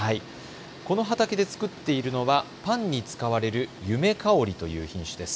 この畑で作っているのはパンに使われるゆめかおりという品種です。